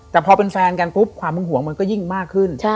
แต่พอเป็นแฟนกันปุ๊บความหึงหวงมันก็ยิ่งมากขึ้น